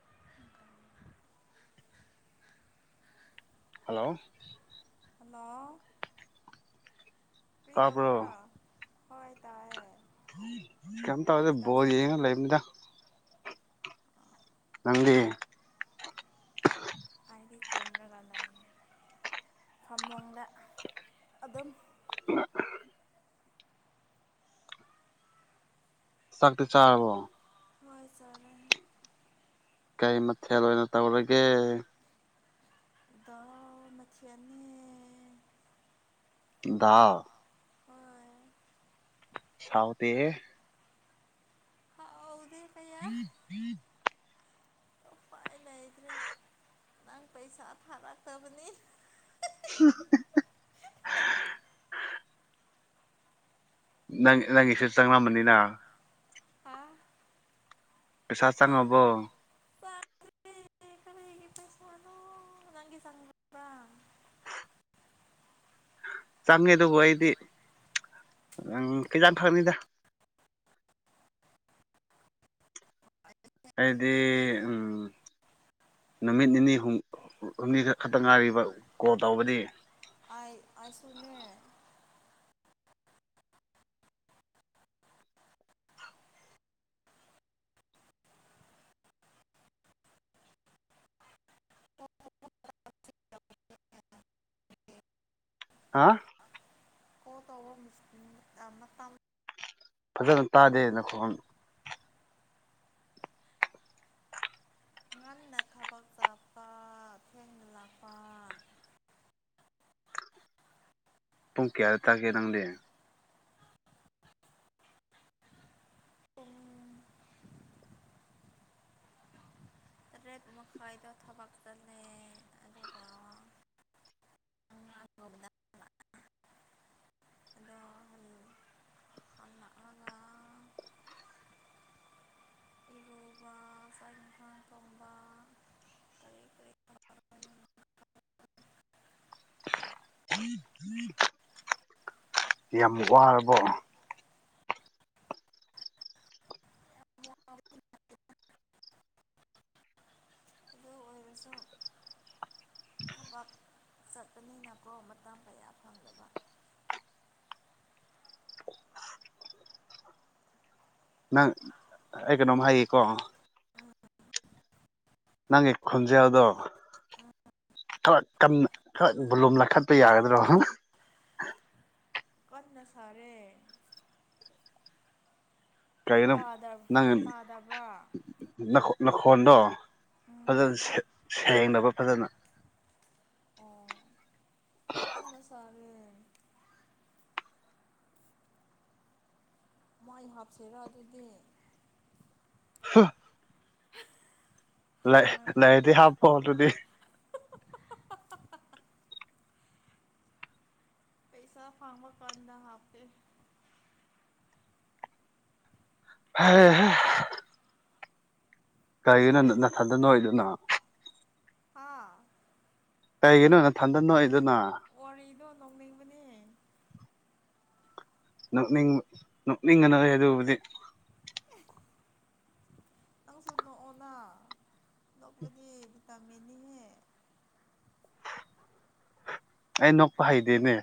ꯎꯝ [inaudible] hello hello ꯀꯔꯤ ꯇꯧꯕ꯭ꯔꯣ ꯇꯥꯕ꯭ꯔꯣ ꯍꯣꯏ ꯇꯥꯏꯌꯦ ꯀꯩꯝ ꯇꯧꯗꯦ ꯀꯔꯤ ꯇꯧ ꯕꯣꯜ ꯌꯦꯡꯉ ꯂꯩꯕꯅꯤꯗ ꯅꯪꯗꯤ ꯑꯩꯗꯤ ꯇꯨꯝꯃꯒ ꯂꯩꯌꯦ ꯐꯃꯨꯡꯗ ꯑꯗꯨꯝ ꯆꯥꯛꯇꯤ ꯆꯥꯔꯕꯣ ꯍꯣꯏ ꯆꯥꯔꯦ ꯀꯩ ꯃꯊꯦꯜ ꯑꯣꯏꯅ ꯇꯧꯔꯒꯦ ꯗꯥꯜ ꯃꯊꯦꯜꯅꯦ ꯗꯥꯜ ꯍꯣꯏ ꯍꯥꯎꯗꯦꯍꯦ ꯍꯥꯎꯗꯦ ꯀꯌꯥ ꯎꯝ ꯎꯝ [inaudible] ꯎꯄꯥꯏ ꯂꯩꯇ꯭ꯔꯦ ꯅꯪ ꯄꯩꯁꯥ ꯊꯥꯔꯛꯇꯕꯅꯤꯅ ꯎꯝ ꯎꯝ [unintelligible] ꯅꯪ ꯅꯪꯒꯤꯁꯨ ꯆꯪꯂꯝꯃꯅꯤꯅ ꯍꯥꯥ ꯄꯩꯁꯥ ꯆꯪꯉꯕꯣ ꯆꯥꯡꯗ꯭ꯔꯦ ꯀꯔꯤꯒꯤ ꯄꯩꯁꯥꯅꯣ ꯅꯪꯒꯤ ꯆꯪꯉꯕ꯭ꯔꯥ ꯆꯪꯉꯦ ꯑꯗꯨꯕꯨ ꯑꯩꯗꯤ ꯈꯤꯇꯪ ꯈꯛꯅꯤꯗ ꯑꯩꯗꯤ ꯎꯝ ꯅꯨꯃꯤꯠ ꯅꯤꯅꯤ ꯍꯨꯝ ꯍꯨꯝꯅꯤꯈꯛ ꯈꯛꯇ ꯉꯥꯏꯔꯤꯕ ꯀꯣꯜ ꯇꯧꯕꯗꯤ ꯑꯩ ꯑꯩꯁꯨꯅꯦ ꯍꯥ ꯀꯣꯜ ꯇꯧꯕ ꯃꯇꯝ ꯐꯖꯅ ꯂꯩꯕ ꯇꯥꯗꯦ ꯅꯈꯣꯜ ꯉꯟꯅ ꯊꯕꯛ ꯆꯠꯄ ꯊꯦꯡꯅ ꯂꯥꯛꯄ ꯄꯨꯡ ꯀꯌꯥꯗ ꯆꯠꯀꯦ ꯅꯪꯗꯤ ꯄꯨꯡ ꯇꯔꯦꯠ ꯃꯈꯥꯏꯗ ꯊꯕꯛ ꯆꯠꯂꯦ ꯑꯗꯨꯒ ꯎꯝ [unintelligible] ꯑꯗꯣ ꯍꯜꯂꯛꯑꯒ ꯏꯔꯨꯕ ꯆꯥꯛ ꯌꯦꯟꯁꯥꯡ ꯊꯣꯡꯕ ꯀꯔꯤ ꯀꯔꯤ ꯎꯝ ꯎꯝ [inaudible] ꯌꯥꯝ ꯋꯥꯔꯕꯣ ꯑꯗꯨ ꯑꯣꯏꯔꯁꯨ ꯊꯕꯛ ꯆꯠꯄꯅꯤꯅꯀꯣ ꯃꯇꯝ ꯀꯌꯥ ꯐꯪꯗꯕ ꯅꯪ ꯑꯩ ꯀꯩꯅꯣꯝ ꯍꯥꯏꯒꯦꯀꯣ ꯅꯪꯒꯤ ꯈꯣꯟꯖꯦꯜꯗꯣ ꯈꯔ ꯕꯣꯂꯨꯝ ꯂꯩꯈꯠꯄ ꯌꯥꯒꯗ꯭ꯔꯣ ꯀꯟꯅ ꯁꯥꯔꯦ ꯀꯩꯅꯣ ꯅꯪ ꯇꯥꯗꯕ꯭ꯔꯥ ꯅꯈꯣꯟ ꯅꯈꯣꯟꯗꯣ ꯎꯝ ꯐꯖꯅ ꯁꯦꯡꯗꯕ ꯐꯖꯅ ꯑꯣ ꯀꯟꯅ ꯁꯥꯏꯌꯦ ꯃꯥꯏꯞ ꯍꯥꯞꯁꯤꯔꯥ ꯑꯗꯨꯗꯤ ꯂꯩ ꯃꯣꯏ ꯂꯩꯔꯗꯤ ꯍꯥꯞꯄꯣ ꯑꯗꯨꯗꯤ ꯄꯩꯁꯥ ꯐꯪꯕꯀꯥꯟꯗ ꯍꯥꯞꯀꯦ ꯍꯩ ꯍꯥ ꯀꯔꯤꯒꯤꯅꯣ ꯅꯊꯟꯗ ꯅꯣꯛꯏꯗꯨꯅ ꯍꯥ ꯀꯩꯒꯤꯅꯣ ꯅꯊꯟꯗ ꯅꯣꯛꯏꯗꯨꯅ ꯋꯥꯔꯤꯗꯣ ꯅꯣꯛ ꯅꯤꯡꯕꯅꯦ ꯅꯣꯛꯅꯤꯡ ꯅꯣꯛꯅꯤꯡꯒꯅꯣ ꯑꯗꯨꯕꯨꯗꯤ ꯅꯪꯁꯨ ꯅꯣꯛꯑꯣꯅ ꯅꯣꯛꯄꯗꯤ ꯚꯤꯇꯥꯃꯤꯟꯅꯤꯍꯦ ꯑꯩ ꯅꯣꯛꯄ ꯍꯩꯇꯦꯅꯦ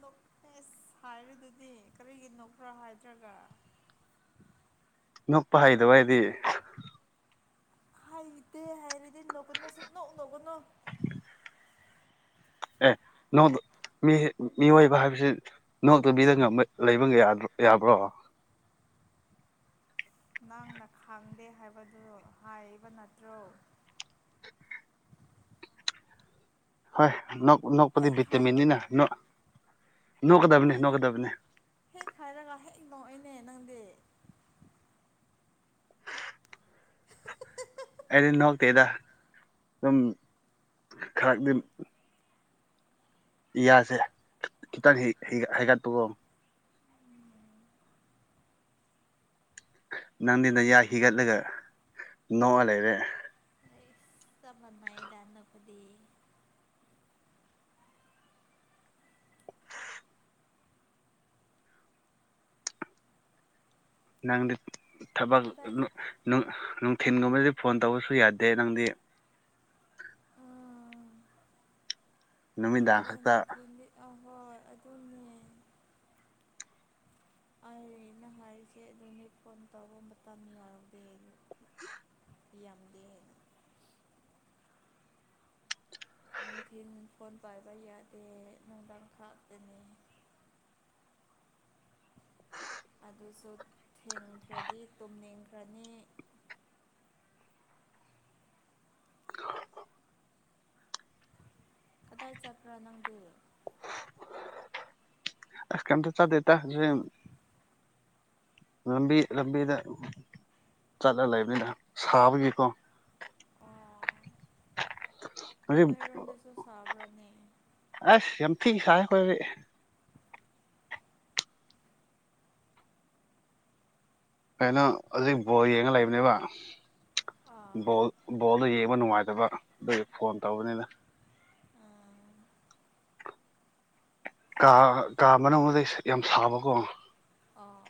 ꯅꯣꯛ ꯃꯦꯁ ꯍꯥꯏꯔꯤꯗꯨꯗꯤ ꯀꯔꯤꯒꯤ ꯅꯣꯛꯄ꯭ꯔ ꯍꯥꯏꯗ꯭ꯔꯒ ꯅꯣꯛꯄ ꯍꯩꯇꯕ ꯑꯩꯗꯤ ꯍꯥꯏꯗꯦ ꯍꯩꯔꯗꯤ ꯅꯣꯛꯀꯅꯨ ꯁꯨꯛ ꯅꯣꯛ ꯅꯣꯛꯀꯅꯨ ꯑꯦ ꯃꯤꯑꯣꯏꯕ ꯍꯥꯏꯕꯁꯤ ꯅꯣꯛꯇꯕꯤꯗ ꯂꯩꯕ ꯌꯥ꯭ꯗꯔꯣ ꯌꯥꯕ꯭ꯔꯣ ꯅꯪꯅ ꯈꯪꯗꯦ ꯍꯥꯏꯕꯗꯨ ꯍꯥꯏꯕ ꯅꯠꯇ꯭ꯔꯣ ꯍꯣꯏ ꯅꯣꯛꯄꯗꯤ ꯍꯦꯛ ꯍꯥꯏꯕꯒ ꯚꯤꯇꯃꯤꯟꯅꯤꯅ ꯅꯣꯛꯀꯗꯕꯅꯤ ꯍꯣꯏꯅ ꯅꯣꯛꯀꯗꯕꯅꯤ ꯍꯦꯛ ꯍꯥꯏꯔꯒ ꯍꯦꯛ ꯅꯣꯛꯏꯅꯦ ꯅꯪꯗꯤ ꯑꯩꯗꯤ ꯅꯣꯛꯇꯦꯗ ꯑꯗꯨꯝ ꯈꯔꯗꯤ ꯌꯥꯁꯦ ꯈꯤꯇꯪ ꯍꯥꯏꯒꯠꯄ ꯒꯣ ꯅꯪꯗꯤ ꯅꯌꯥ ꯍꯤꯒꯠꯂꯒ ꯅꯣꯛꯑ ꯂꯩꯔꯦ ꯆꯥꯞ ꯂꯟꯅꯩꯕ ꯑꯗꯨꯕꯨꯗꯤ ꯅꯪꯗꯤ ꯊꯕꯛ ꯀꯗꯥꯏ ꯅꯨꯡ ꯅꯨꯡ ꯅꯨꯡꯊꯤꯟꯒꯨꯝꯕꯗꯗꯤ ꯐꯣꯟ ꯇꯧꯕꯁꯨ ꯌꯥꯗꯦ ꯅꯪꯗꯤ ꯑꯥ ꯅꯨꯃꯤꯗꯥꯡ ꯈꯛꯇ ꯅꯨꯡꯗꯤ ꯑꯍꯣꯏ ꯑꯗꯨꯅꯦ ꯑꯩꯅ ꯍꯥꯏꯔꯤꯁꯦ ꯑꯗꯨꯅꯦ ꯐꯣꯟ ꯇꯥꯎꯕ ꯃꯇꯝ ꯌꯥꯎꯗꯦ ꯑꯗꯨ ꯌꯥꯝꯗꯦ ꯅꯨꯡꯊꯤꯜ ꯐꯣꯟ ꯄꯥꯏꯕ ꯌꯥꯗꯦ ꯅꯨꯡꯗꯥꯡ ꯈꯥꯛꯇꯅꯤ ꯑꯗꯨꯁꯨ ꯊꯦꯡꯈ꯭ꯔꯗꯤ ꯇꯨꯝꯅꯤꯡꯈ꯭ꯔꯅꯤ ꯀꯗꯥꯏ ꯆꯠꯄ꯭ꯔꯥ ꯅꯪꯗꯤ ꯑꯁ ꯀꯤꯝꯇ ꯆꯠꯇꯦꯗ [unintelligible] ꯂꯝꯕꯤ ꯂꯝꯕꯤꯗ ꯆꯠꯂ ꯂꯩꯕꯅꯤꯗ ꯁꯥꯕꯒꯤꯀꯣ ꯑꯣ ꯍꯧꯖꯤꯛ ꯅꯣꯏꯔꯣꯝꯗꯁꯨ ꯁꯥꯕ꯭ꯔꯅꯦ ꯑꯁ ꯌꯥꯝ ꯊꯤ ꯁꯥꯢ ꯑꯩꯈꯣꯢꯗꯤ ꯀꯩꯅꯣ ꯍꯧꯖꯤꯛ ꯕꯣꯜ ꯌꯦꯡꯉ ꯂꯩꯕꯅꯦꯕ ꯑꯥ ꯕꯣꯜ ꯕꯣꯜꯗꯣ ꯌꯦꯡꯕ ꯅꯨꯡꯉꯥꯏꯇꯕ ꯑꯗꯨꯒꯤ ꯐꯣꯟ ꯇꯧꯕꯅꯤꯗ ꯑꯥ ꯀꯥ ꯀꯥ ꯃꯅꯨꯡꯗꯗꯤ ꯌꯥꯝ ꯁꯥꯕꯀꯣ ꯑꯣ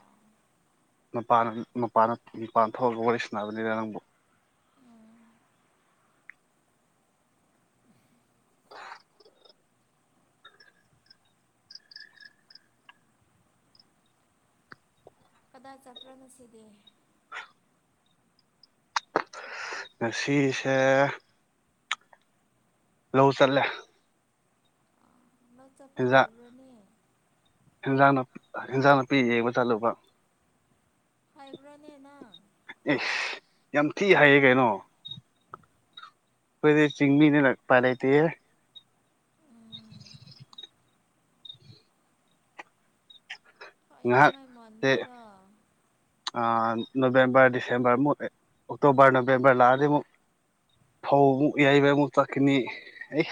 ꯃꯄꯜ ꯃꯄꯜ ꯃꯄꯜ ꯊꯣꯛꯂꯒ ꯋꯥꯔꯤ ꯁꯥꯟꯅꯕꯅꯤꯗ ꯅꯪꯕꯨ ꯎꯝ [inaudible] ꯀꯗꯥꯏ ꯆꯠꯄ꯭ꯔꯥ ꯉꯁꯤꯗꯤ ꯉꯁꯤꯁꯦ ꯂꯧ ꯆꯠꯂꯦ ꯅꯪ ꯆꯠꯄ ꯍꯦꯟꯖꯥꯡ ꯍꯥꯏꯕ꯭ꯔꯣꯅꯦ ꯍꯦꯟꯖꯥꯡ ꯅꯞ ꯏꯟꯖꯥꯡ ꯅꯥꯄꯤ ꯌꯦꯡꯕ ꯆꯠꯂꯨꯕ ꯍꯩꯕ꯭ꯔꯅꯦ ꯅꯪ ꯢꯁ ꯌꯥꯝ ꯊꯤ ꯍꯥꯏꯌꯦ ꯀꯩꯅꯣ ꯑꯩꯈꯣꯏꯗꯤ ꯆꯤꯡꯃꯤꯅꯤꯅ ꯎꯄꯥꯢ ꯂꯩꯇꯦꯍꯦ ꯎꯝ ꯉꯍꯥꯛ ꯍꯥꯏꯅꯤꯡꯉꯥꯏ ꯁꯦ ꯃꯥꯟꯗꯦꯗ ꯑꯥ ꯅꯕꯦꯝꯕꯔ ꯗꯤꯁꯦꯝꯕꯔ ꯑꯃꯨꯛ ꯑꯣꯛꯇꯣꯕꯔ ꯅꯕꯦꯝꯕꯔ ꯂꯥꯛꯑꯗꯤ ꯑꯃꯨꯛ ꯐꯧ ꯑꯃꯨꯛ ꯌꯥꯏꯕ ꯑꯃꯨꯛ ꯆꯥꯛꯒꯅꯤ ꯑꯩ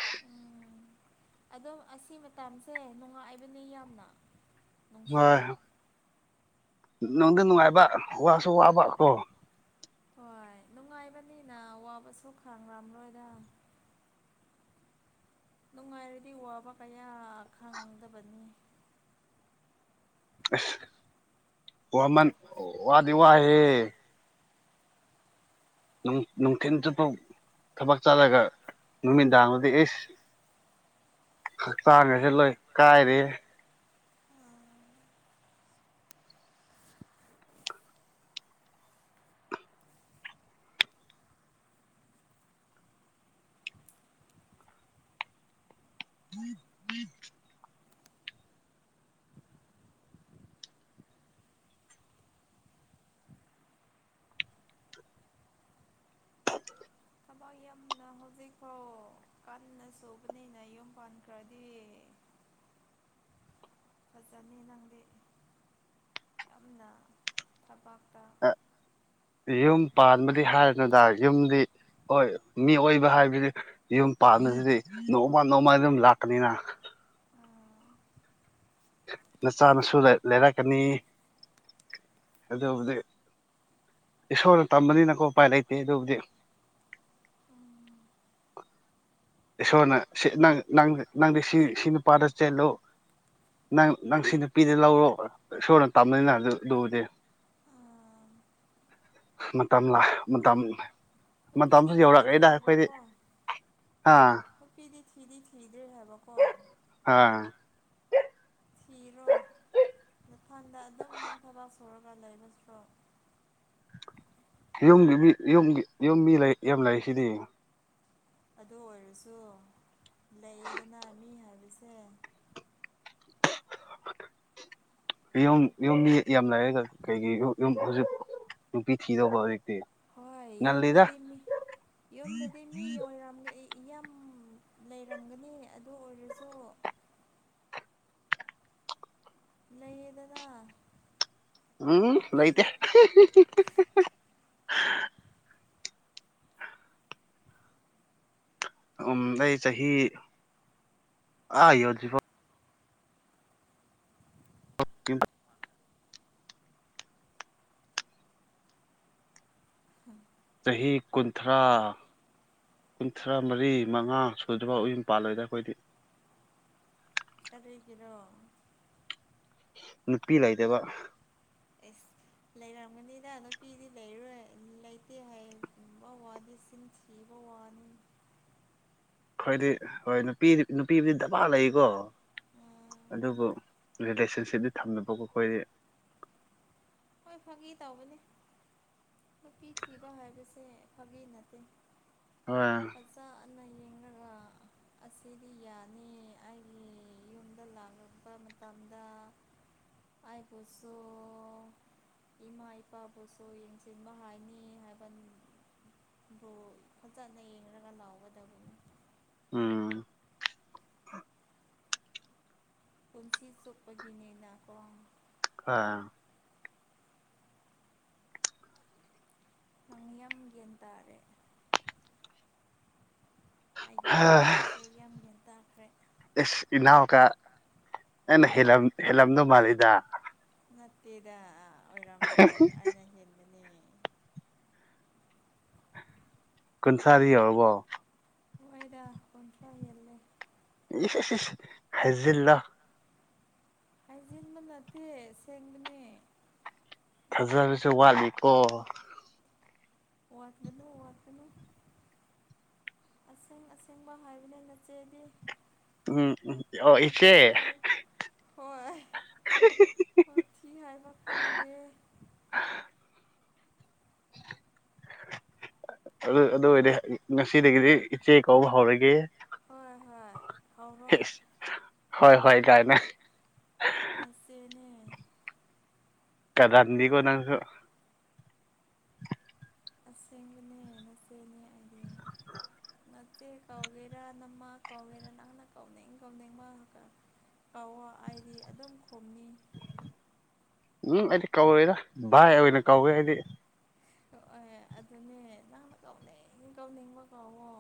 ꯑꯗꯨ ꯑꯁꯤ ꯃꯇꯝꯁꯦ ꯅꯨꯡꯉꯥꯏꯕꯅꯤ ꯌꯥꯝꯅ ꯅꯨꯡꯁꯤ ꯅꯪꯁꯨ ꯅꯨꯡꯉꯥꯏꯕ ꯋꯥꯁꯨ ꯋꯥꯕ ꯀꯣ ꯍꯣꯏ ꯅꯨꯡꯉꯥꯏꯕꯅꯤꯅ ꯋꯥꯕꯁꯨ ꯈꯪꯔꯝꯂꯣꯏꯗ ꯅꯨꯡꯉꯥꯏꯔꯗꯤ ꯋꯥꯕ ꯀꯌꯥ ꯈꯪꯗꯕꯅꯤ ꯑꯁ ꯋꯥꯃꯟ ꯋꯥꯗꯤ ꯋꯥꯢꯍꯦ ꯅꯨꯡꯊꯤꯟ ꯆꯨꯞꯄ ꯊꯕꯛ ꯆꯠꯂꯒ ꯅꯨꯃꯤꯗꯥꯡꯗꯗꯤ ꯑꯦꯁ ꯍꯛꯆꯥꯡꯁꯦ ꯂꯣꯏ ꯀꯥꯏꯔꯦ ꯎꯝ ꯎꯝ [inaudible] ꯊꯕꯛ ꯌꯥꯝꯅ ꯍꯧꯖꯤꯛꯐꯥꯎ ꯀꯟꯅ ꯁꯨꯕꯅꯤꯅ ꯌꯨꯝ ꯄꯥꯟꯈ꯭ꯔꯗꯤ ꯐꯖꯅꯤ ꯅꯪꯗꯤ ꯌꯥꯝꯅ ꯊꯕꯥꯛꯇ ꯌꯨꯝ ꯄꯥꯟꯕꯗꯤ ꯍꯥꯏꯔꯅꯨꯗ ꯌꯨꯝꯗꯤ ꯍꯣꯏ ꯃꯤ ꯑꯣꯏꯕ ꯍꯥꯏꯕꯋꯤ ꯌꯨꯝ ꯄꯥꯟꯕꯁꯤꯗꯤ ꯅꯣꯡꯃ ꯅꯣꯡꯃ ꯑꯗꯨꯝ ꯂꯥꯛꯀꯅꯤꯅ ꯎꯝ ꯅꯆꯥ ꯅꯁꯨ ꯂꯩꯔꯛꯀꯅꯤ ꯑꯗꯨꯕꯨꯗꯤ ꯏꯁꯣꯔꯅ ꯇꯝꯕꯅꯤꯅꯀꯣ ꯎꯄꯥꯏ ꯂꯩꯇꯦ ꯑꯗꯨꯕꯨꯗꯤ ꯏꯁꯣꯔꯅ ꯅꯪꯗꯤ ꯁꯤ ꯁꯤ ꯅꯨꯄꯥꯗ ꯆꯦꯜꯂꯨ ꯅꯪ ꯅꯪ ꯁꯤ ꯅꯨꯄꯤꯗ ꯂꯧꯔꯣ ꯏꯁꯣꯔꯅ ꯇꯝꯕꯅꯤꯅ ꯑꯗꯨ ꯑꯗꯨꯕꯨꯗꯤ ꯑꯥ ꯃꯇꯝ ꯂꯥꯛ ꯃꯇꯝ ꯃꯇꯝꯁꯨ ꯅꯨꯄꯤꯗꯤ ꯊꯤꯗ꯭ꯔꯦ ꯌꯧꯔꯛꯑꯦꯗ ꯑꯩꯈꯣꯏꯗꯤ ꯍꯥꯏꯕꯀꯣ ꯑꯥ ꯅꯨꯄꯤꯗꯤ ꯊꯤꯗꯤ ꯊꯤꯗ꯭ꯔꯦ ꯍꯥꯏꯕ ꯀꯣ ꯑꯥ ꯊꯤꯔꯣ ꯅꯊꯟꯗ ꯑꯗꯨꯝ ꯊꯕꯥꯛ ꯁꯨꯔꯒ ꯂꯩꯕ ꯁꯥꯔꯨꯛ ꯌꯨꯝꯒꯤ ꯃꯤ ꯌꯨꯝꯒꯤ ꯌꯨꯝ ꯃꯤ ꯂꯩ ꯌꯥꯝ ꯂꯩ ꯁꯤꯗꯤ ꯑꯗꯨ ꯑꯣꯏꯔꯁꯨ ꯂꯩꯌꯦꯗꯅ ꯃꯤ ꯍꯥꯏꯕꯁꯦ [inaudible] ꯌꯨꯝ ꯌꯨꯝ ꯃꯤ ꯌꯥꯝ ꯂꯩꯥꯏꯑꯦ ꯀꯩ ꯀꯩꯅꯣ ꯍꯧꯖꯤꯛ ꯅꯨꯄꯤ ꯊꯤꯗꯧꯕ ꯍꯧꯖꯤꯛꯇꯤ ꯍꯣꯏ ꯉꯜꯂꯤꯗ ꯌꯨꯝꯗꯗꯤ ꯃꯤ ꯌꯨꯝꯗꯗꯤ ꯃꯤ ꯌꯣꯏꯔꯝꯒ ꯏ ꯏ ꯌꯥꯝ ꯂꯩꯔꯝꯒꯅꯤ ꯑꯗꯨ ꯑꯣꯏꯔꯁꯨ ꯂꯩꯌꯦꯗꯅ ꯎꯝ ꯅꯨꯄꯤ ꯂꯩꯇꯦ ꯎꯝ ꯑꯩ ꯆꯍꯤ ꯑꯥ ꯌꯣꯗꯤꯐꯥꯎ [inaudible] ꯆꯍꯤ ꯀꯨꯟꯊ꯭ꯔꯥ ꯀꯨꯟꯊ꯭ꯔꯥ ꯃꯔꯤ ꯃꯉꯥ ꯁꯨꯗ꯭ꯔꯤꯕꯥꯎ ꯌꯨꯝ ꯄꯥꯜꯂꯣꯏꯗ ꯑꯈꯣꯏꯗꯤ ꯀꯔꯤꯒꯤꯔꯣ ꯅꯨꯄꯤ ꯂꯩꯇꯕ ꯑꯦꯁ ꯂꯩꯔꯝꯒꯅꯤꯗ ꯅꯨꯄꯤꯗꯤ ꯂꯩꯔꯣꯏ ꯂꯩꯇꯦ ꯍꯥꯏꯕ ꯋꯥꯗꯤ ꯁꯤꯟ ꯊꯤꯕ ꯋꯥꯅꯤ ꯈꯣꯏꯗꯤ ꯍꯣꯏ ꯅꯨꯄꯤ ꯅꯨꯄꯤꯕꯨꯗꯤ ꯗꯕꯥ ꯂꯩꯀꯣ ꯑꯗꯨꯕꯨ ꯔꯤꯂꯦꯁꯟꯁꯤꯞꯇꯤ ꯊꯝꯗꯕ ꯑꯈꯣꯏꯗꯤ ꯍꯣꯏ ꯐꯒꯤ ꯇꯧꯕꯅꯦ ꯅꯨꯄꯤ ꯊꯤꯕ ꯍꯥꯏꯕꯁꯦ ꯐꯥꯒꯤ ꯅꯠꯇꯦ [unintelligible] ꯐꯖꯅ ꯌꯦꯡꯔꯒ ꯑꯁꯤꯗꯤ ꯌꯥꯅꯤ ꯑꯩꯒꯤ ꯌꯨꯝꯗ ꯂꯥꯛꯂꯛꯄ ꯃꯇꯝꯗ ꯑꯩꯥꯕꯨꯁꯨ ꯏꯃꯥ ꯏꯄꯥꯕꯨꯁꯨ ꯌꯦꯡꯁꯤꯟꯕ ꯍꯥꯏꯅꯤ ꯍꯥꯏꯕ ꯕꯨ ꯐꯖꯅ ꯌꯦꯡꯒ ꯂꯥꯎꯒꯗꯕꯅꯤ ꯎꯝ ꯄꯨꯟꯁꯤ ꯆꯨꯞꯄꯒꯤꯅꯤꯅ ꯀꯣ ꯑꯥ ꯅꯪꯅꯤ ꯌꯥꯝ ꯒ꯭ꯌꯟ ꯇꯥꯔꯦ ꯑꯩꯒꯤ ꯍꯥ ꯏꯅꯥꯎꯁꯦ ꯌꯥꯝ ꯒ꯭ꯌꯟ ꯇꯥꯈ꯭ꯔꯦ ꯏꯁ ꯏꯅꯥꯎꯀ ꯑꯩꯅ ꯍꯦꯂꯝ ꯍꯦꯜꯂꯝꯗꯧ ꯃꯥꯜꯂꯤꯗ ꯅꯠꯇꯦꯗ ꯑꯣꯏꯔꯝꯔꯣꯏ ꯑꯩꯅ ꯍꯦꯟꯒꯅꯤ ꯀꯨꯟꯊ꯭ꯔꯥꯗꯤ ꯌꯧꯔꯕꯣ ꯍꯣꯏꯗ ꯀꯨꯟꯊ꯭ꯔꯥ ꯍꯦꯜꯂꯦ [unintelligible] ꯍꯥꯏꯖꯜꯂꯣ ꯍꯥꯏꯖꯤꯟꯕ ꯅꯠꯇꯦ ꯁꯦꯡꯕꯅꯦ ꯊꯥꯖꯕꯁꯨ ꯋꯥꯠꯂꯤꯀꯣ ꯋꯥꯠꯀꯅꯨ ꯋꯥꯠꯀꯅꯨ ꯑꯁꯦꯡ ꯑꯁꯦꯡꯕ ꯍꯥꯏꯕꯅꯦ ꯅꯆꯦꯗꯤ ꯎꯝ ꯎꯝ ꯑꯣ ꯋꯥꯊꯤ ꯏꯆꯦ ꯍꯥꯏ ꯍꯣꯏ ꯋꯥꯊꯤ ꯍꯥꯏꯕ ꯈꯪꯗꯦ ꯑꯗꯨ ꯑꯗꯨ ꯑꯣꯏꯔꯗꯤ ꯉꯁꯤꯗꯒꯤꯗꯤ ꯏꯆꯦ ꯀꯧꯕ ꯍꯧꯔꯒꯦ ꯍꯣꯏ ꯍꯣꯏ ꯍꯧꯔꯣ ꯍꯣꯏ ꯍꯣꯏ ꯀꯥꯏꯅ ꯅꯆꯦꯅꯦ ꯀꯥꯔꯟꯗꯤꯀꯣ ꯅꯪꯁꯨ ꯑꯁꯦꯡꯕꯅꯦ ꯅꯆꯦꯅꯦ ꯑꯩꯗꯤ ꯅꯆꯦ ꯀꯧꯒꯦꯔꯥ ꯅꯃꯥ ꯀꯧꯒꯦꯔꯥ ꯅꯪꯅ ꯀꯧꯅꯤꯡꯕ ꯃꯤꯡ ꯑꯃ ꯀꯧꯋꯣ ꯑꯩꯗꯤ ꯑꯗꯨꯝ ꯈꯨꯝꯅꯤ ꯎꯝ ꯑꯩꯗꯤ ꯀꯧꯗꯦꯗ ꯚꯥꯏ ꯑꯣꯏꯅ ꯀꯧꯏ ꯑꯩꯗꯤ ꯀꯧꯋꯣ ꯑꯗꯨꯅꯦ ꯅꯪꯅ ꯀꯧꯅꯤꯡ ꯀꯧꯅꯤꯡꯕ ꯀꯧꯋꯣ